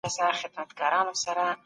پوهاند صدیقالله رښتین د پښتو ژبې او ادب د